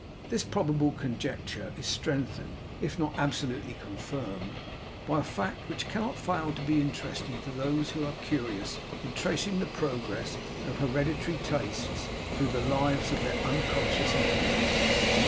This probable conjecture is strengthened, if not absolutely confirmed, by a fact which cannot fail to be interesting to those who are curious in tracing the progress of hereditary tastes through the lives of their unconscious inheritors.